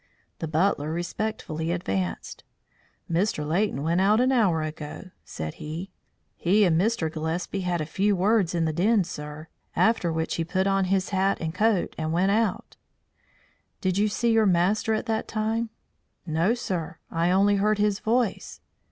The butler respectfully advanced. "Mr. Leighton went out an hour ago," said he. "He and Mr. Gillespie had a few words in the den, sir, after which he put on his hat and coat and went out." "Did you see your master at that time?" "No, sir, I only heard his voice."